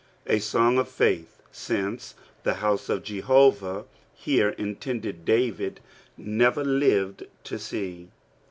A aoni} <^ faWi sinet the house of Jdiovah, here intmded, David never lived to see.